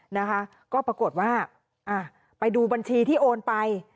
นะคะก็ปรากฏว่าอ่ะไปดูบัญชีที่โอนไป